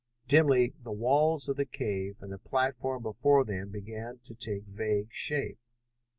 Dimly the walls of the cave and the platform before them began to take vague shape.